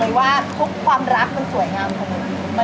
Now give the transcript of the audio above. มีความสุขแล้ว